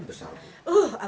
itu rumah ayah besar